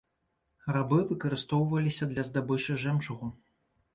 Рабы выкарыстоўваліся для здабычы жэмчугу.